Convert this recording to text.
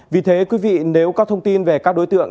vì thế quý vị nếu có thông tin về các đối tượng